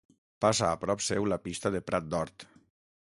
Passa a prop seu la Pista de Prat d'Hort.